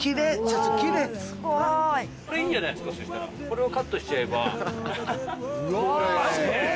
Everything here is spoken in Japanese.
これをカットしちゃえば。